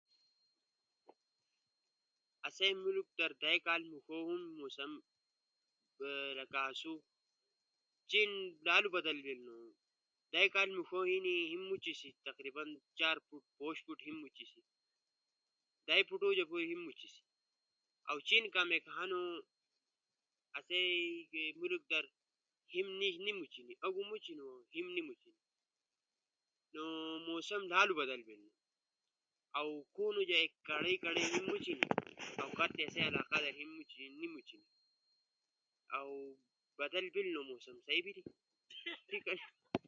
اسئ دیشا در دائ کالئی موشو موسم بدال بیلنو دائ کالئی مُوݜ لالو بدال بیلنو کی اسئ دیشہ در ھیم اول ھیم موچینی سہ دائ فٹ موچی سی چین دو یا ڇی فِٹ موچینی موسم بدال بیلنو